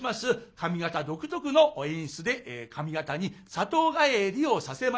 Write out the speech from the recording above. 上方独特の演出で上方に里帰りをさせました。